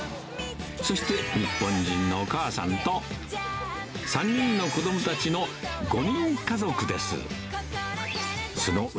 そして日本人のお母さんと、３人の子どもたちの５人家族です。